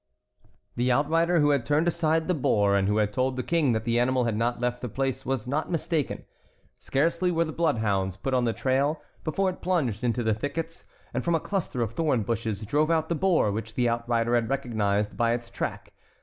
The outrider who had turned aside the boar and who had told the King that the animal had not left the place was not mistaken. Scarcely were the bloodhounds put on the trail before it plunged into the thickets, and from a cluster of thorn bushes drove out the boar which the outrider had recognized by its track.